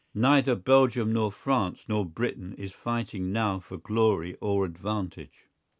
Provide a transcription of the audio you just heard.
Neither Belgium nor France nor Britain is fighting now for glory or advantage.